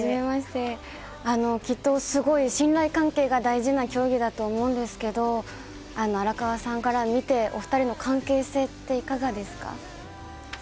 きっと、すごい信頼関係が大事な競技だと思うんですけど荒川さんから見てお二人の関係性っていかがですか？